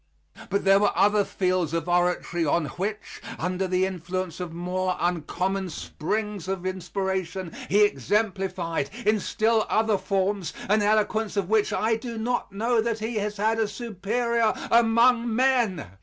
But there were other fields of oratory on which, under the influence of more uncommon springs of inspiration, he exemplified, in still other forms, an eloquence in which I do not know that he has had a superior among men.